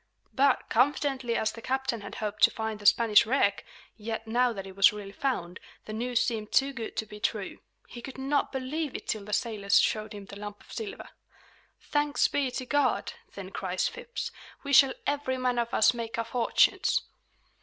But, confidently as the captain had hoped to find the Spanish wreck, yet, now that it was really found, the news seemed too good to be true. He could not believe it till the sailors showed him the lump of silver. "Thanks be to God!" then cries Phips. "We shall every man of us make our fortunes!"